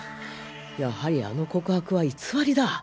やはりあの告白は偽りだ。